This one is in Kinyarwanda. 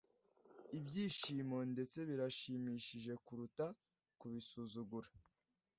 Ibyishimo ndetse birashimishije kuruta kubisuzugura